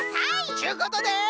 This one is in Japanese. ちゅうことで。